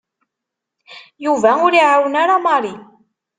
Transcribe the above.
Yuba ur iɛawen ara Mary.